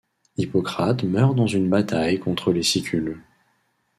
Hippocrate meurt dans une bataille contre les Sicules.